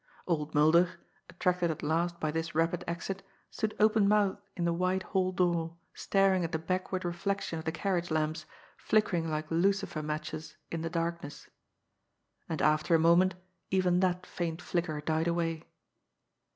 Old Mulder, attracted at last by this rapid exit, stood open mouthed in the wide hall door, staring at the back ward reflection of the carriage lamps, flickering like lucifer matches in the darkness. And after a moment even that faint flicker died away.